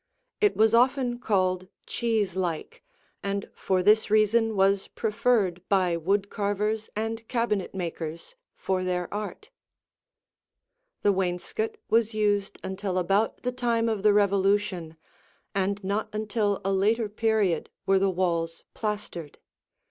It was often called "cheese like" and for this reason was preferred by wood carvers and cabinetmakers for their art. The wainscot was used until about the time of the Revolution and not until a later period were the walls plastered.